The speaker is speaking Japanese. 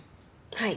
はい。